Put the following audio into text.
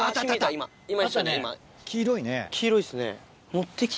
黄色いですね。